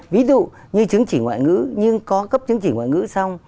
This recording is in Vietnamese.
ví dụ như chứng chỉ ngoại ngữ nhưng có cấp chứng chỉ ngoại ngữ xong